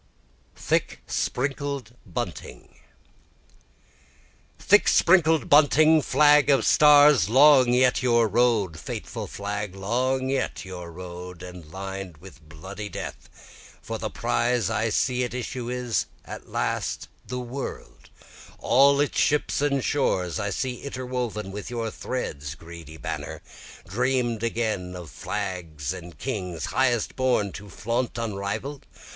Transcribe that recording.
Thick Sprinkled Bunting Thick sprinkled bunting! flag of stars! Long yet your road, fateful flag long yet your road, and lined with bloody death, For the prize I see at issue at last is the world, All its ships and shores I see interwoven with your threads greedy banner; Dream'd again the flags of kings, highest borne to flaunt unrival'd?